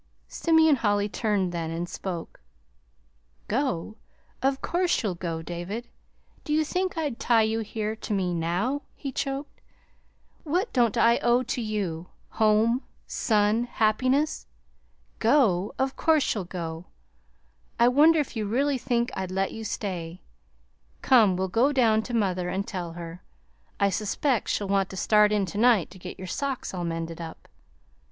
Simeon Holly turned then, and spoke. "Go? Of course you'll go, David. Do you think I'd tie you here to me NOW?" he choked. "What don't I owe to you home, son, happiness! Go? of course you'll go. I wonder if you really think I'd let you stay! Come, we'll go down to mother and tell her. I suspect she'll want to start in to night to get your socks all mended up!"